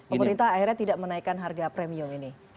pemerintah akhirnya tidak menaikkan harga premium ini